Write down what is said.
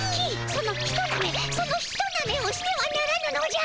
そのひとなめそのひとなめをしてはならぬのじゃ。